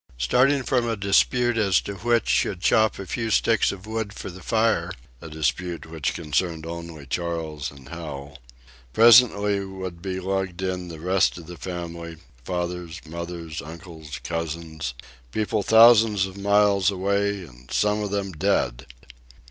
Starting from a dispute as to which should chop a few sticks for the fire (a dispute which concerned only Charles and Hal), presently would be lugged in the rest of the family, fathers, mothers, uncles, cousins, people thousands of miles away, and some of them dead.